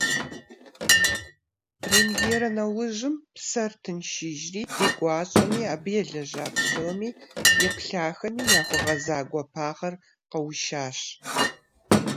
Премьерэ нэужьым псэр тыншыжри ди гуащӏэми, абы елэжьа псоми, еплъахэми яхуэгъэза гуапагъэр къэушащ.